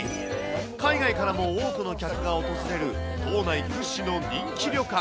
海外からも多くの客が訪れる、島内屈指の人気旅館。